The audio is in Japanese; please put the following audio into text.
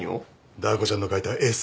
ダー子ちゃんの描いた絵さ。